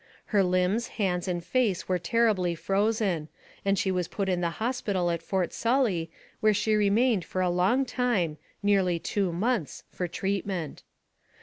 Her limbs, hands, and face were terribly frozen, and she was put in the hospital at Fort Sully, where she remained for a long time, nearly two months, for treatment.